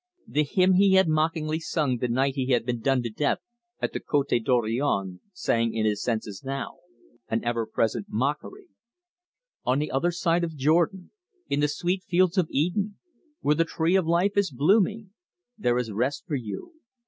The hymn he had mockingly sung the night he had been done to death at the Cote Dorion sang in his senses now, an ever present mockery: "On the other side of Jordan, In the sweet fields of Eden, Where the tree of life is blooming, There is rest for you.